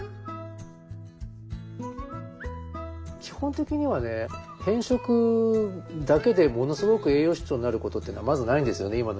基本的にはね偏食だけでものすごく栄養失調になることっていうのはまずないんですよね